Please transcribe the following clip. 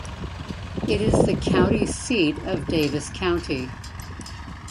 It is the county seat of Davis County.